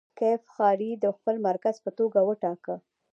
کیف ښاریې د خپل مرکز په توګه وټاکه.